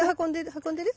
運んでる？